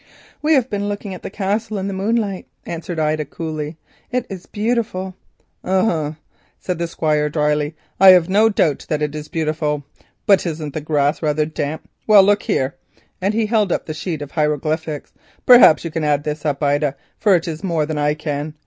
"We have been looking at the Castle in the moonlight," answered Ida coolly. "It is beautiful." "Um—ah," said the Squire, dryly, "I have no doubt that it is beautiful, but isn't the grass rather damp? Well, look here," and he held up the sheet of hieroglyphics, "perhaps you can add this up, Ida, for it is more than I can.